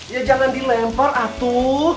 ya jangan dilempar atu